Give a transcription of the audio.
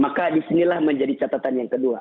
maka disinilah menjadi catatan yang kedua